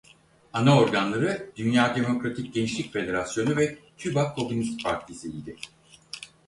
Ana organları Dünya Demokratik Gençlik Federasyonu ve Küba Komünist Partisi idi.